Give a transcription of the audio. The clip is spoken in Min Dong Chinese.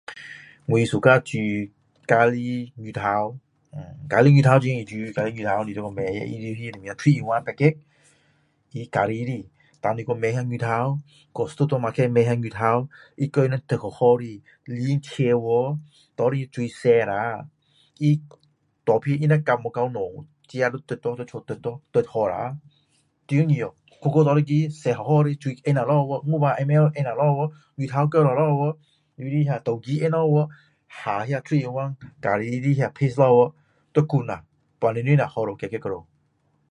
我喜欢煮咖哩鱼头咖哩鱼头很容易煮咖哩鱼头你要去买那它的什么三合一包装它咖哩的你去买那鱼头去stutong market买那鱼头他把它们砍好好的鳞鳞刮去拿去水洗下它若是不够小自己要砍咯在家砍咯砍好后很容易哦锅锅拿一个洗好好的水放下去五百ML放下去鱼头放下去你的豆豉放下去放水下咖哩的paste下去要滚下半个小时下好了解决了